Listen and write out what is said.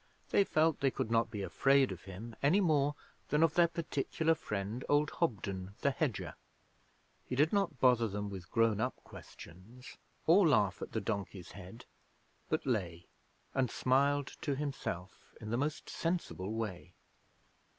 They felt they could not be afraid of him any more than of their particular friend old Hobden the hedger. He did not bother them with grown up questions, or laugh at the donkey's head, but lay and smiled to himself in the most sensible way.